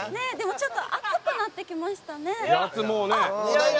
ちょっと暑くなってきましたね。